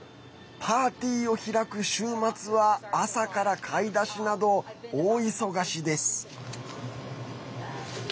パーティーを開く週末は朝から買い出しなど大忙しです。